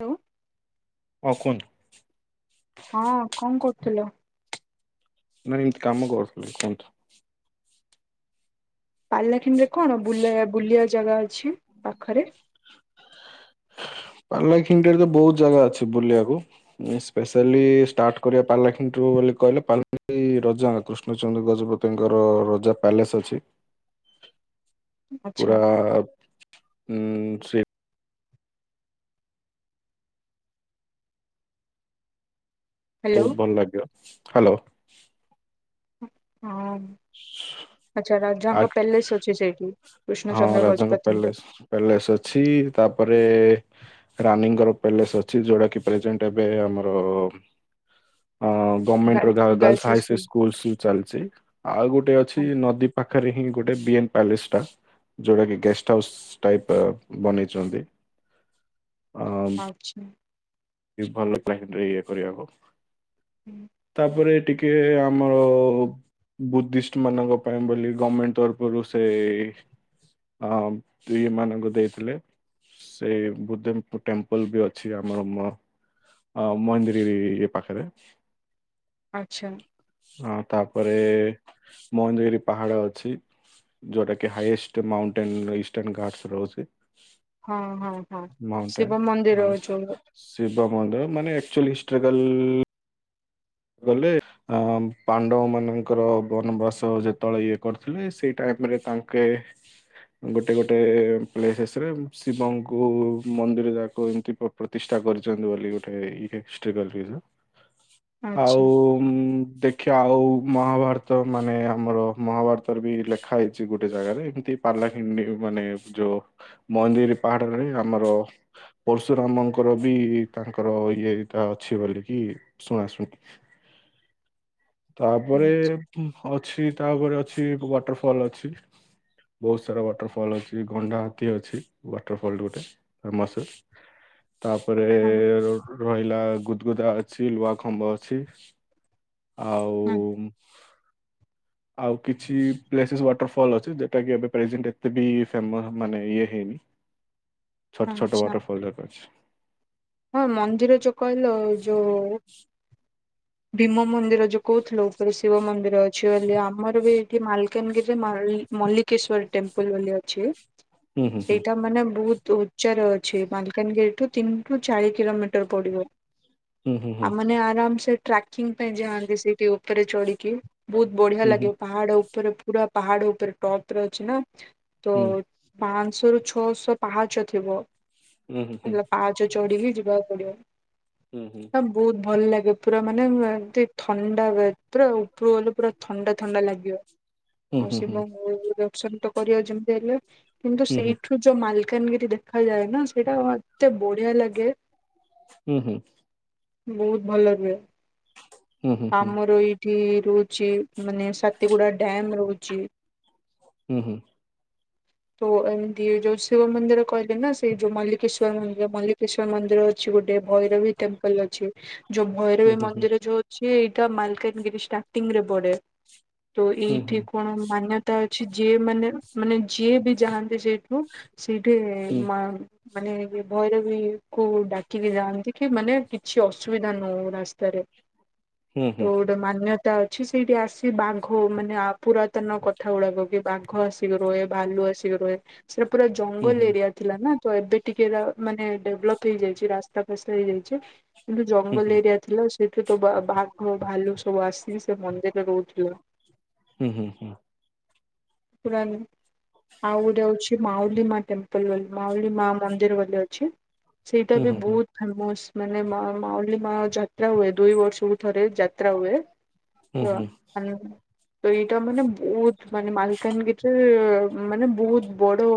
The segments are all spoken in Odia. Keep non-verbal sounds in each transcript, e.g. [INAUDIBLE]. ହ୍ୟାଲୋ ଆଉ କୁହନ୍ତୁ। ହଁ କଣ କରୁଥିଲ। ନାଇଁ ଏମିତି କାମ କରୁଥିଲି କୁହନ୍ତୁ। ପାରେଲାଖେମୁଣ୍ଡି ରେ କଣ ବୁଲେ ବୁଲିୟା ଜାଗା ଅଛି ପାଖରେ। ପାରେଲାଖେମୁଣ୍ଡି ରେ ତ ବହୁତ ଜାଗା ଅଛି ବୁଲିବାକୁ। ଏ ସ୍ପେଶାଲି ଷ୍ଟାର୍ଟ କରିବା ପାରେଲା ଖେମୁଣ୍ଡି ରୁ ବୋଲି କହିଲେ ପାରେଲା ଖେମୁଣ୍ଡି ରଜା ଙ୍କ କୁ। ହଉଛନ୍ତି ଗଜପତିଙ୍କର ରଜା ପ୍ୟାଲେସ୍ ଅଛି। ଆଚ୍ଛା ପୁରା ଉଁ ସେ। ହ୍ୟାଲୋ। ବହୁତ ଭଲ ଲାଗିବ ହାଲୋ। ହଁ ଆଛା ଆ ରାଜାଙ୍କ ପ୍ୟାଲେସ ଅଛି ସେଇଠି। ହଁ କୃଷ୍ଣଚନ୍ଦ୍ର ରାଜାଙ୍କ ଗଜପତିଙ୍କ ପ୍ୟାଲେସ ପ୍ୟାଲେସ ଅଛି ତାପରେ। ରାନି ଙ୍କର ପ୍ୟାଲେସ୍ ଅଛି ଯୋଉଟା କି ପ୍ରେଜେଣ୍ଟ ଏବେ ଆମର ଗଭର୍ଣ୍ମେଣ୍ଟ ର girl girl girls girls high high school schools ଚାଲିଛି ଆଉ ଗୋଟେ ଅଛି ନଦୀ ପାଖରେ ହିଁ ଗୋଟେ ବିଏନ ପ୍ୟାଲେସ ଟା। ଯୋଉଟା କି ଗେଷ୍ଟ ହାଉସ୍ ଟାଇପ ବନେଇଛନ୍ତି। ଆ ଆଚ୍ଛା ଭଲ ଲାଗିଲଥିଲା ସେରେ ଇଏ କରିବାକୁ। ହୁଁ ତାପରେ ଟିକେ ଆମର ବୁଦ୍ଧିଷ୍ଟ ମାନଙ୍କ ପାଇଁ ବୋଲି ଗଭର୍ଣମେଣ୍ଟ ତରଫରୁ ସେ ହଁ ଦୁଇ ମାନଙ୍କୁ ଦେଇଥିଲେ। ସେଇ ବୁଦ୍ଧ ଟେମ୍ପଲ ବି ଅଛି ଆମର ଅ ମହନ୍ଦିଗିରି ପାଖରେ ଆଚ୍ଛା ହଁ ତାପରେ ମହେନ୍ଦଗିରି ପାହାଡ ଅଛି। ଯୋଉଟା କି ହାଇଏଷ୍ଟ ମାଉଣ୍ଟେନ ଇଷ୍ଟର୍ଣ ଘାଟସ ରହୁଛି। ହଁ ହଁ ହଁ ମାଉଣ୍ଟେନ ଶିବ ମନ୍ଦିର ଯୋଉ ଶିବ ମନ୍ଦିର ମାନେ ଆଚୁଆଲି ହିଷ୍ଟରିକାଲ ଗଲେ ଅ ପାଣ୍ଡବ ମାନଙ୍କର ବନବାସ ଯେତେବେଳେ ଇଏ କରିଥିଲେ ସେଇ ଟାଇମରେ ତାଙ୍କେ ଗୋଟେ ଗୋଟେ ପ୍ଲେସେସ ରେ ଶିବଙ୍କୁ ମନ୍ଦିର ଯାକ ଏମତି ପ୍ରତିଷ୍ଠା କରିଛନ୍ତି ବୋଲି ଗୋଟେ ଇଏ। [UNINTELLIGIBLE] ଆଚ୍ଛା। ଆଉ ଉମ୍, ଦେଖିବା ଆଉ ମହାଭାରତ ମାନେ ଆମର ମହାଭାରତରେ ବି ଲେଖା ହେଇଛି ଗୋଟେ ଜାଗାରେ। ଏମିତି ପାଲାଖଣ୍ଡି ମାନେ ଯୋଉ ମନ୍ଦିର ପାହାଡରେ ଆମର ପଶୁରାମଙ୍କର ବି ତାଙ୍କର ଇଏଟା ଅଛି ବୋଲିକି ଶୁଣା ଶୁନୀ ହଁ ତାପରେ ଅଛି ତାପରେ ଅଛି ୱାଟର ଫଲ ଅଛି। ବହୁତ ସାରା ୱାଟର ଫଲ୍ ଅଛି ଗଣ୍ଡା ହାତୀ ଅଛି ୱାଟର ଫଲ ଗୋଟେ। ଫେମସେ ତାପରେ ହଁ ରହିଲା ଗୁଦଗୁଦା ଅଛି ଲୁହାଖମ୍ବ ଅଛି। ଆଉ ଆଉ କିଛି ପ୍ଲେସେସ୍ ୱାଟରଫଲ୍ ଅଛି ଯେଉଟା କି ଏ ପ୍ରେଜେଣ୍ଟ ଏତେ ବି ଫେମ ମାନେ ଇଏ ହେଇନି। ଛୋଟ ଟ ଛୋଟ ଆଚ୍ଛା ୱଟଫଲ ଦେଖ ଅଛି। ହଁ ମନ୍ଦିର ଚୁ କହିଲ ଯୋଉ ଭୀମ ମନ୍ଦିର ଯୋଉ କହୁଥିଲ ଉପରେ ଶିବ ମନ୍ଦିର ଅଛି ବୋଲି ଆମର ବି ଏଇଠି ମାଲକାନଗିରିରେ ଏଇ ମଲ୍ଲିକେଶ୍ର ଟେମ୍ପଲ ବୋଲି ଅଛି। ହୁଁ ହୁଁ ସେଇଟା ମାନେ ବହୁତ ଉଚ୍ଚାରେ ଅଛି ମାଲକାନଗିରିଠୁ ତିନି ଚାରି କିଲୋମିଟର ପଡିବ ହୁଁ ହୁଁ ହୁଁ ଆଉ ଆରାମ ସେ ଟ୍ରା ିଙ୍ଗ ପାଇଁ ଯାଆନ୍ତି ସେଇଠି ଉପରେ ଚଢିକି ବହୁତ ବଢିଆ ହୁଁ ଲାଗେ ପାହାଡ ଉପରେ ପୁରା ପାହାଡ ଉପରେ ଟପ ର ଅଛି ନା ତ ହୁଁ ପାଞ୍ଚଶହରୁୁ ଛଅଶହ ପାଞ୍ଚ ଥିବ। ହୁଁ ହୁଁ ହେଲେ ପା ଚଢିକି ଯିବାକୁ ପଡିବ। ହୁଁ ହୁଁ ବହୁତ ଭଲ ଲାଗେ ପୁରା ମାନେ ଏମତି ଥଣ୍ଡା ହୁ ପୁରା ଉପରୁ ଗଲେ ପୁରା ଥଣ୍ଡା ଥଣ୍ଡା ଲାଗିବ ଆଉ ହୁଁ ହୁଁ ହୁଁ ଶିବଙ୍କୁ ଦର୍ଶନ ତ କରିବା ଯେମିତି ହେଲେ କିନ୍ତୁ ସେଇଠୁ ଯୋଉ ମାଲକାନଗିରି ଦେଖାଯାଏ ନା ସେଇଟା ମତେ ବଢିଆ ଲାଗେ! ହୁଁ ହୁଁ ବହୁତ ଭଲ ରୁହେ। ହୁଁ ହୁଁ ହୁଁ ହୁଁ ହୁଁ ଆମର ଏଇଠି ରହୁଛି ମାନେ ସାତଗୁଡା ଡ୍ୟାମ ରହୁଛି। ହୁଁ ହୁଁ। ତ ଏତି ଯଉ ଶିବ ମନ୍ଦିର କହ ନା ସେଇ ଯଉ ମଲିକେଶ୍ୱଵର ମଲ କଷ୍ ମନ୍ଦିର ଅଛି ଗୋଟେ, ଭୈରବୀ ଟେମ୍ପଲ ଅଛି। ଯୋଉ ଭୈରବୀ ହୁଁ ହୁଁ ହୁଁ ହୁଁ ହୁଁ ହୁଁ ହୁଁ ମନ୍ଦିର ଯୋଉ ସି ଏଇଟା ମାଲକାନଗିରି ଷ୍ଟାର୍ଟିଂ ରେ ବଢେ ତ ଏଇଠି କଣ ମାନ୍ୟ ଅଛି ଯିଏ ମାନେ ମାନେ ଯିଏ ବି ଯାଆନ୍ତି ସେଠୁ ସେଇଠି ମାନେ ଭୈରବୀକୁୁ ଡାକିକି ଯାଆନ୍ତି କି ମାନେ କିଛି ଅସୁବିଧା ନହଉ ରାସ୍ତାରେ। ହୁଁ [INAUDIBLE] ହୁଁ ଗୋ ମାନ୍ୟତା ଅଛି ସେଇଠି ଆସି ବାଘ ମାନେ ପୁରାତନ କଥା ଗୁଡାକ କି ବାଘ ଆସ। [UNINTELLIGIBLE] ଭାଲୁ ଆସିକ ରହ ସେଟା ପୁରା ହୁଁ ଜଙ୍ଗଲ ହୁଁ ଏରିଆ। ଥିଲା ନା, ତ ଏବେ ଟିକେ ମାନେ ଡେଭଲପ ହେଇଯାଇଛି ରାସ୍ତା ଫ ହେଇଯାଇଛି। କିନ୍ତୁ ଆଚ୍ଛା, ଜଙ୍ଗଲ ଏରିଆ ଥିଲା। ସେଠୁ ତ ବାଘ ଭାଲୁ ସବୁ ଆସିକି ସେ ମନ୍ଦିରରେ ରହୁଥିଲା। ହୁଁ ହୁଁ ହୁଁ। [UNINTELLIGIBLE] ଆଉ ଗୋଟେ ଅଉଛି ମାଉଲି ମା ଟେମ୍ପଲ ବୋଲି ମାଉଲି ମା ମନ୍ଦିର ବୋଲି ଅଛି। ସେଇଟା ବି ବହୁତ ଫ ମାନେ ମା ମା ଯାତ୍ରା ହୁଏ ଦୁଇ ବର୍ଷ ଥରେ ଯାତ୍ରା ହୁଏ, ତ ତ ଏଇଟା ମାନେ ବହୁତ ମାନେ ମାଲକାନଗିରିରେ ମାନେ ବହୁତ ବଡ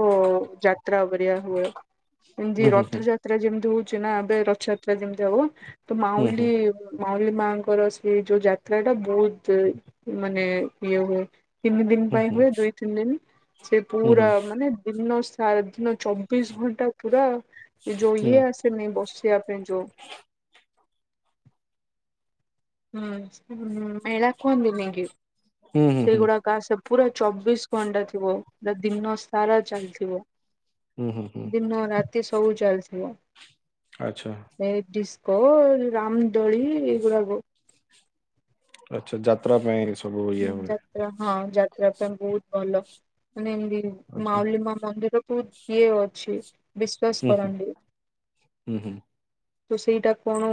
ଯାତ୍ରା ପରିଆ ହୁଏ। ଏମତି ରଥଯାତ୍ରା ଯେମତି ହଉଛି ନା ଏବେ ରଥଯାତ୍ରା ଯେମିତି ହବ ତ ମାଉଲି ମାଉଲି ମା। ଙ୍କର ସେ ଯୋଉ ଯାତ୍ରା ଟା ବହୁତ ମାନେ ଇଏ ହୁଏ। ତିନି ଦିନ ପାଇଁ ହୁଏ। ଦୁଇ ତିନି ଦିନ ସେ ପୁରା ମାନେ ଦିନ ଚାରା ଦିନ ଚବିଶ ଘଣ୍ଟା ପୁରା ଏ ଯୋଉ ଇଏ ଆସେନି ବସିବା ପାଇଁ ଯୋଉ ହୁଁ ହ ମେଳା କିନିି ସେଇଗୁଡା ଗାସ। ପୁରା ଚବିଶ ଘଣ୍ଟା ଥିବ। ପୁରା ଦିନ ସାରା ଚାଲିଥିବ। ଦିନନ ରାତି ସବୁ ଚାଲୁଥିବ। ଆଚ୍ଛା। ଡିସ୍କୋ ରାମଦୋଳି ଏଇଗୁଡାକ ଆଛା ଯାତ୍ରା ପାଇଁ ସବୁ ଇଏ ହୁଁ, ହୁଏ। ଯାତ୍ରା ହଁ ଯାତ୍ରା ପାଇଁ ବହୁତ ଭଲ। ମାନେ ଏମିତି ଆଚ୍ଛା। ମାଉଲିମା ମନ୍ଦିର ତୁ ଦି ଅଛି ବିଶ୍ୱାସ ହୁଁ, କରନ୍ତି [UNINTELLIGIBLE] ହୁଁ, ତ ସେଇଟା କଣ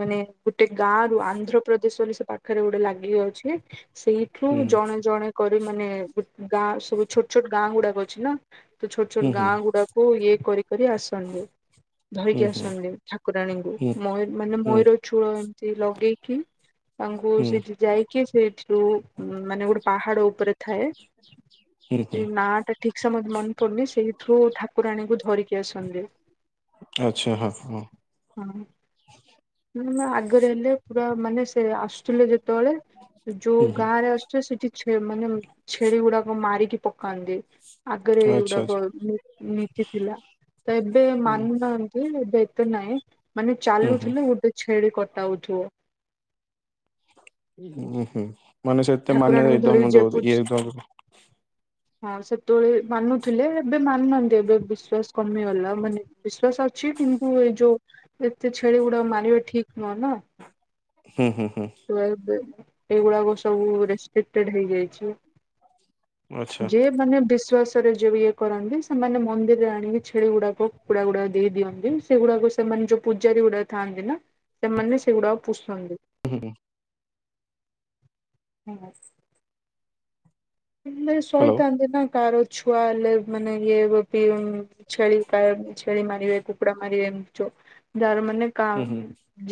ମାନେ ଗୋଟେ ଗାଁ ରୁ ଆନ୍ଧ୍ରପ୍ରଦେଶ ବୋଲି ସେ ପାଠ ପାଖରେ ଗୋଟେ ଲାଗି ଯାଉଛି। ସେଇଠୁ ହୁଁ, ଜଣେ ଜଣେ କରି ମାନେ ଗୋଟେ ଗାଁ ସବୁ ଛୋଟ ଛୋଟ ଗାଁ ଗୁଡାକ ଅଛି ନା। ତ ଛୋଟ ଛୋଟ ହୁଁ, ହୁଁ, ଗାଁ ହୁଁ, ଗୁଡାକୁ ଇଏ କରି କରି ଆସନ୍ତି। ଧରିକି ହୁଁ, ହୁଁ, ଆସନ୍ତି ଠାକୁରାଣୀଙ୍କୁ। ହୁଁ, ମୟର ମାନେ ହୁଁ, ହୁଁ, ହୁଁ, ହୁଁ, ମୟୂର ଚୂଳ ଏମିତି ଲଗେଇକି ତାଙ୍କୁ ସେଇଠି ଯାଇକି ସେଇଠରୁ ମାନେ ଗୋଟେ ପାହାଡ ଉପରେ ଥାଏ। ସେ ହୁଁ। ନା ଟା ଠିକସ ମତେ ମନେ ପଡୁନି, ସେଇଥିରୁ ଠାକୁରାଣୀଙ୍କୁ ଧରିକି ଆସନ୍ତି। ଆଚ୍ଛା ହଁ ହଁ। ହଁ ନା ଆଗରେ ହେଲେ ପୁରା ମାନେ ସେ ଆସୁଥିଲେ ଯେତେବେଳେ ଯୋଉ ହୁଁ, ହୁଁ, ଗାଁ ରେ ଆସୁଛ ସେଠି ମାନେ ଛେଳି ଗୁଡାକ ମାରିକି ପକାନ୍ତି। ଆଗରେ ଆଚ୍ଛା, ଆଚ୍ଛା, ହୁଁ, ଏଇଗୁଡାକ ହୁଁ, ନୀତି ଥିଲା ତ ଏବେ ମାନ ଏବେ ଏତେ ନହିଁ ମାନେ ହୁଁ, ହୁଁ, ଚାଲୁଥିଲେ ଗୋଟେ ଛେଳି କଟାଉଥିବ। ଉୁଁ ହୁଁ ମାନେଷ ଏତେ ଠାକୁରାଣୀଙ୍କୁ ମାନ୍ୟତା ଧରିକି ଯିଏ ମୁ ପୂଜ ଇଏ ହଁ ସେତେବେଳେ ମାନୁଥିଲେ ଏବେ ମାନୁନାହାନ୍ତି ଏବେ ବିଶ୍ୱାସ କମିଗଲା ମାନେ ବିଶ୍ଵାସ ଅଛି କିନ୍ତୁ ଏଇ ଯୋଉ ଏତେ ଛେଳି ଗୁଡା ମାରିବେ ଠିକ ନୁହେଁ ନା। ହୁଁ ହୁଁ ହୁଁ। [UNINTELLIGIBLE] ଏଗୁଡା ସବୁ ରେସ୍ପେକ୍ଟେଡ ହେଇଯାଇଛି। ଆଚ୍ଛା, ଯେ ମାନେ ବିଶ୍ଵାସ। ରେ ଯଉ ଇଏ କରନ୍ତି ସେମାନେ ମନ୍ଦିରରେ ଆଣିକି ଛେଳି ଗୁଡାକ କୁଡା ଗୁଡାକ ଦେଇ ଦିଅନ୍ତି। ସେଗୁଡାକ ସେମାନେ ଯୋଉ ପୂଜାରୀ ଗୁଡାକ ଥାଆନ୍ତି ନା ସେମାନେ ସେଗୁଡାକ ପୁଷନ୍ତି। ହୁଁ ହୁଁ। ହଁ। ସେମାନେ ହ୍ୟାଲୋ, ଶହିଥାନ୍ତି ନା କାହାର ଛୁଆ ହେଲେ ମାନେ ଇଏ ବି ପି ଛେଳି କ ଛେଳି ମାରିବେ କୁକୁଡ଼ା ମାରିବେ ଏମିତି ଯ ଯାର ମାନେ କା ହୁଁ, ହୁଁ,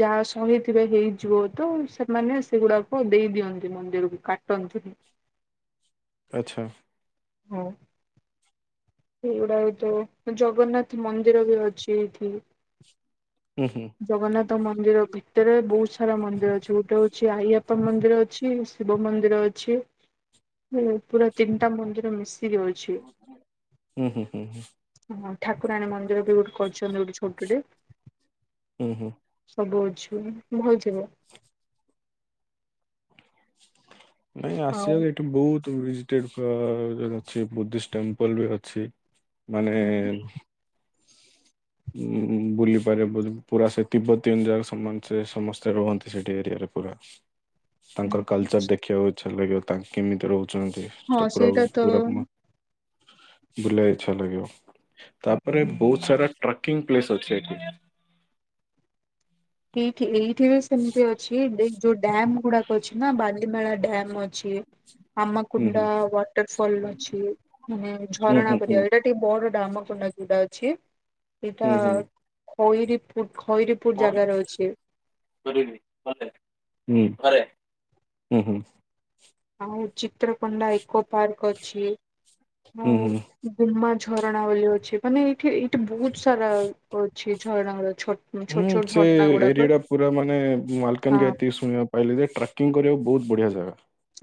ଯାହା ସହିଥିବେ ହେଇଯିବ ତ ସେମାନେ ସେଗୁଡାକ ଦେଇ ଦିଅନ୍ତି ମନ୍ଦିରକୁ କାଟନ୍ତିନି। ଆଚ୍ଛା। ହଁ। ସେଇଗୁଡାକ ତ ଜଗନ୍ନାଥ ମନ୍ଦିର ବି ଅଛି ଏଇଠି। ହୁଁ ହୁଁ। ଜଗନ୍ନାଥ ମନ୍ଦିର ଭିତରେ ବହୁତ ସାରା ମନ୍ଦିର ଅଛି ଗୋଟେ ହଉଚି ଆଇଆପା ମନ୍ଦିର ଅଛି। ଶିବ ମନ୍ଦିର ଅଛି ପୁରା ତିନିଟା ମନ୍ଦିର ମିଶିକିରି ଅଛି। ହୁଁ ହୁଁ ହୁଁ। ହଁ ଠାକୁରାଣୀ ମନ୍ଦିର ବି ଗୋଟେ କରିଛନ୍ତି ଗୋଟେ ଛୋଟଟେ। ହୁଁ ହୁଁ। ସବୁ ଅଛି ଭଲ ଥିବ। ନାଇଁ ଆଉ ଆସିବାକୁ ଏଇଠି ବହୁତ ଭିଜିଟେଡ ଅ ଅଛି ବୁଦ୍ଧିଷ୍ଟ ଟେମ୍ପଲ ବି ଅଛି। ମାନେ ଉ ବୁଲି ପାରିବ ପ ପୁରା ସେ ତିବାତ୍ତୀୟାନ ଯାକ ସମାନ ସେ ସମସ୍ତେ ରୁହନ୍ତି ସେଠି ଏରିଆରେ ପୁରା। ତାଙ୍କର କଲଚର ଦେଖିବାକୁ ଇଚ୍ଛା ଲାଗିବ ତାଙ୍କ କେମିତି ରହୁଚନ୍ତି। ହଁ ସେଟା ପୁରା ସେଇଟା ତ ପୁରା ବୁଲିବାକୁ ଇଚଛା ଲାଗିବ ତାପରେ ବହୁତ ସାରା ଟ୍ରାକିଂ ପ୍ଲେସ୍ ଅଛି ଏଠି। ଏଇଠି ଏଇଠି ବି ସେମିତି ଅଛି ଦେ ଯୋଉ ଡ୍ୟାମ ଗୁଡାକ ଅଛି ନା ବାଲିମେଳା ଡ୍ୟାମ ଅଛି। ହୁଁ ଆମକୁଣ୍ଡା ହୁଁ ୱାଟର ଫଲ ଅଛି ମାନେ ଝରଣା ହୁଁ ହୁଁ ପରିକା ହୁଁ ଏଇଟା ଟିକେ ବଡ ଟା ଆମାକୁଣ୍ଡା ଯଉଟା ଅଛି। ଏଇଟା ହୁଁ ହୁଁ। ଖଇରିପୁର ଖଇରୀ ହୁଁ ହୁଁ ହୁଁ। ଆଉ ଚିତ୍ରକୋଣ୍ଡା ଇକୋ ପାର୍କ ଅଛି। ହୁଁ। ଆଉ ହୁଁ ଗୁମା ଝରଣା ବୋଲି ଅଛି। ମାନେ ଏଇଠି ଏଇଠି ବହୁତ ସାରା ଅଛି ଝରଣା ଛୋଟ ଛୋଟ ହୁଁ ଛୋଟ ସେ ଝରଣା ଗୁଡାକ ଏରିଆ ଟା ପୁରା ମାନେ ହଁ ମାଲକାନ ଗ ଏତିକି ଶୁଣିବା ପାଇଲିି ଯେ ଟ୍ରାକିଂ କରିବାକୁ ବହୁତ ବଢ଼ିଆ ଜାଗା।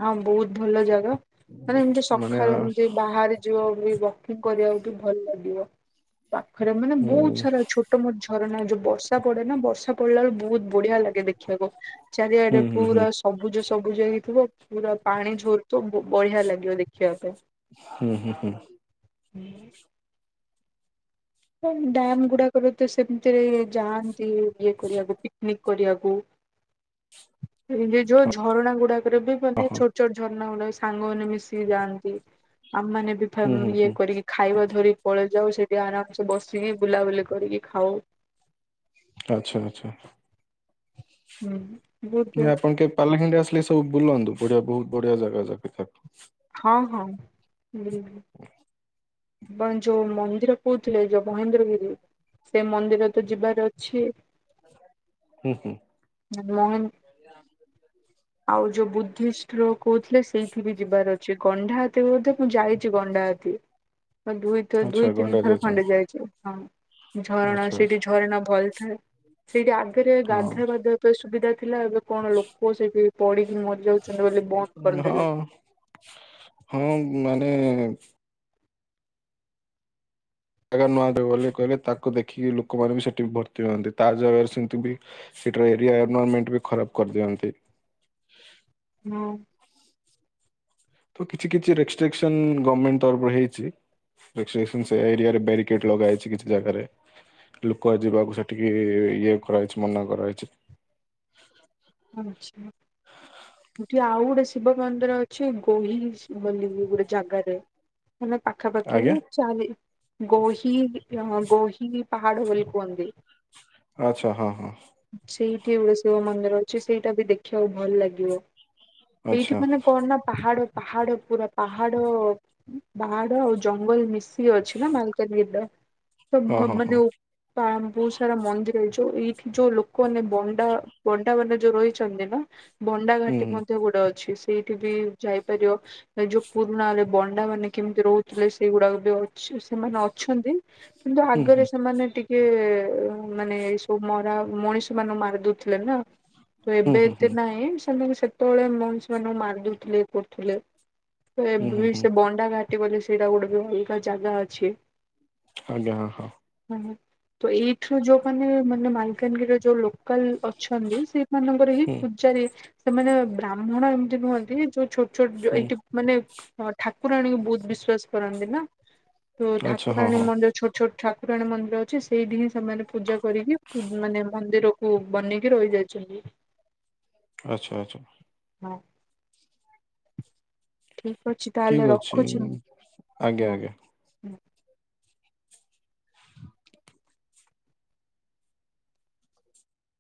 ଆଁ ବହୁତ ଭଲ ଜାଗା ମାନେ ଏମିତି ମାନେ ସକାଳୁ ଆ, ଏମତି ବାହାରେ ଯିବ ବି ୱକିଂ କରିବାକୁ ବି ଭଲ ଲାଗିବ। ପାଖରେ ମାନେ ହୁଁ ବହୁତ ସାରା ଛୋଟ ମୋଟ ଝରଣା ଯୋଉ ବର୍ଷା ପଡେ ନା ବର୍ଷା ପଡିଲା ବେଳେ ବହୁତ ବଢିଆ ଲାଗେ ଦେଖିବାକୁ। ଚାରିଆଡେ ହୁଁ ହୁଁ ପୁରା ହୁଁ ସବୁଜ ସବୁଜ ହେଇକି ଥିବ ପୁରା ପାଣି ଝରୁଥିବ। ବ ବଢିଆ ଲାଗିବ ଦେଖିବା ପାଇଁ। ହୁଁ ହୁଁ ହୁଁ। [INAUDIBLE] ଏ ଡ୍ୟାମ ଗୁଡାକରେ ତ ସେମିତିରେ ଯାଆନ୍ତି ଇଏ କରିବାକୁ ପିକନିକ କରିବାକୁ। ଏ ବେ ଯୋଉ ଝରଣା ଗୁଡାକ ର ବି ମାନେ ଓହୋ ଛୋଟ ଛୋଟ ଝରଣା ଗୁଡା ସାଙ୍ଗ ମାନେ ମିଶିକି ଯାଆନ୍ତି। ଆମେମାନେ ବି ହୁଁ ହୁଁ ଇଏ ହୁଁ କରିକି ଖାଇବା ଧରି ପଳେଇ ଯାଉ ସେଠି ଆରାମସେ ବସିକି ବୁଲାବୁଲି କରିକି ଖାଉ। ଆଚ୍ଛା ଆଚ୍ଛା। ହୁଁ ବହୁତ ନାଇଁ ଆପଣ କେବେ ପାଲାଖମୁଣ୍ଡି ଆସିଲେ ସବୁ ବୁଲନ୍ତୁ ବଢିଆ ବହୁତ ବଢିଆ ଜାଗା ଯାକ ଏ ହଁ ହଁ ହୁ। ଏବଂ ଯୋଉ ମନ୍ଦିର କହୁଥିଲେ ଯୋଉ ମହେନ୍ଦ୍ରଗିରି ସେ ମନ୍ଦିର ତ ଯିବାର ଅଛି। ହୁଁ ହୁଁ। ସେ ମହେନ୍ [INAUDIBLE] ଆଉ ଯୋଉ ବୁଦ୍ଧିଷ୍ଟ ର କହୁଥିଲେ ସେଇଠି ବି ଯିବାର ଅଛି। ଗଣ୍ଡାହାତି ବୋଧେ ମୁଁ ଯାଇଚି ଗଣ୍ଡାହାତି। ଦୁଇଥର ଆଚ୍ଛା ଦୁଇ ତିନି ଗଣ୍ଡା ଥର ଖଣ୍ଡେ ଯାଇଛନ୍ତି ଯାଇଚି। ହ ଝରଣା ଆଚ୍ଛା ସେଇଠି ଆଚ୍ଛା ଝରଣା ଭଲଥାଏ। ସେଇଠି ଆଗରେ ହଁ ଗାଧଆପାଧାଆ ପାଇଁ ସୁବିଧା ଥିଲା ଏବେ କଣ ଲୋକ ସେଠି ପଡିକି ମର ଯାଉଚନ୍ତି ବୋଲି ବନ୍ଦ କରିଦେଲେ। ହଁ। ହଁ ମାନେ ଜାଗା ନୁଆଟା ବୋଲି କହିଲେ ତାକୁ ଦେଖିକି ଲୋକମାନେ ବି ସେଠି ଭର୍ତ୍ତି ହୁଅନ୍ତି ତା ଜାଗାରେ ସେମିତି ବି ସେଟିର ଏରିଆ ଏନଭରମେଣ୍ଟ ବି ଖରାପ କରିଦିଅନ୍ତି। ହଁ। ତ କିଛି କିଛି ରେଷ୍ଟ୍ରିକସନ ଗମେଣ୍ଟ ତରଫରୁ ହେଇଚି। [UNINTELLIGIBLE] ସେ ଏରିଆରେ ବ୍ୟାରିକେଡ ଲଗା ହେଇଚି କିଛି ଜାଗାରେ। ଲୋକ ଯିବାକୁ ସେଠିକି ଇଏ କରାହେଇଚି ମନା କରାହେଇଚି। ଆଚ୍ଛା। ସେଠି ଆଉ ଗୋଟେ ଶିବ ମନ୍ଦିର ଅଛି ଗୋହି ବୋଲି ଗୋଟେ ଜାଗାରେ। ମାନେ ପାଖାପାଖି ହି ଆଜ୍ଞା ଚାରି ଗୋହିି ଆ ଗୋହିିରି ପାହାଡ଼ ବୋଲି କୁହନ୍ତି। ଆଚ୍ଛା ହଁ ହଁ। ସେଇଠି ଗୋଟେ ଶିବ ମନ୍ଦିର ଅଛି, ସେଇଟା ବି ଦେଖିବାକୁ ଭଲ ଲାଗିବ। ଏଇଠି ଆଚ୍ଛା ମାନେ କଣ ନା ପାହାଡ ପାହାଡ ପୁରା ପାହାଡ ପାହାଡ଼ ଆଉ ଜଙ୍ଗଲ ମିଶିକି ଅଛି ନା ମାଲକାନଗିରି ଟା। ହଁ ହଁ ହଁ ମାନେ ପା ବହୁତ ସାରା ମନ୍ଦିର ଯଉ ଏଇଠି ଯଉ ଲୋକଆନେ ବଣ୍ଡା ଣ୍ଡା ମାନେ ଯୋଉ ରହିଚନ୍ତି ନା ବଣ୍ଡା ହୁଁ ଘାଟି ହୁଁ ମଧ୍ୟ ଗୋଟେ ଅଛି। ସେଇଠି ବି ଯାଇପାରିବ ଯୋଉ ପୁରୁଣା ହେଲେ ବଣ୍ଡା ମାନେ କେମିତି ରହୁଥିଲେ ସେଇଗୁଡାକ ବି ସେମାନେ ଅଛନ୍ତି କିନ୍ତୁ ହୁଁ ଆଗରେ ସେମାନେ ଟିକ୍ କେ ମାନେ ଏଇ ସବୁ ମରା ମଣିଷ ମାନେଙ୍କୁ ମାରିଦଉଥିଲେ ନା। ତ ହୁଁ ଏବେ ହୁଁ ହୁଁ ଏତେ ହୁଁ ନାହିଁ ସେମାନେ ସେତେବେଳେ ମଣିଷ ମାନଙ୍କୁ ମାରିଦଉଥିଲେ ଏ କରୁଥିଲେ। ତ ହୁଁ ଏବେ ହୁଁ ବି ହୁଁ ସେ ବଣ୍ଡା ଘାଟି ବୋଲି ସେଇଟା ଗୋଟେ ବି ଅଲଗା ଜାଗା ଅଛି। ଆଜ୍ଞା ହଁ ହଁ। ମାନେ ତ ଏଇଠରୁ ଯୋଉ ମାନ ମାନେ ମାଲକାନଗିରିର ଯୋଉ ଲୋକାଲ ଅଛନ୍ତି ସେମାନଙ୍କର ହିଁ ହୁଁ ପୂଜାରି ସେମାନେ ବ୍ରାହ୍ମଣ ଏମିତି ନୁହନ୍ତି ଯୋଉ ଛୋଟ ଛୋଟ ହୁଁ ଏଇଠି ମାନେ ଠାକୁରାଣୀଙ୍କୁ ବହୁତ୍ ବିଶ୍ୱାସ କରନ୍ତି ନା। ତ ଆଚ୍ଛା ହଁ ଠାକୁରାଣୀ ହଁ ମନ୍ଦିର ଛୋଟ ଛୋଟ ଠା ପୁରାଣ ମନ୍ଦିର ଅଛି ସେଇଠି ହିଁ ସେମାନେ ପୂଜା କରିକି ମାନେ ମନ୍ଦିରକୁ ବନେଇକି ରହିଯାଇଛି। ଛନ୍ତି। ଆଚ୍ଛା ଆଚ୍ଛା। ହଁ। ଠିକ୍ ଅଛି ତାହେଲେ ଠିକ ଅଛି ରଖୁଚି ମୁଁ ଆଜ୍ଞା ହଁ। ଆଜ୍ଞା